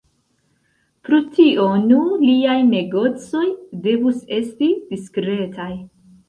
Pro tio, nu, liaj negocoj devus esti diskretaj.